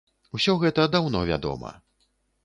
Усё гэта даўно вядома.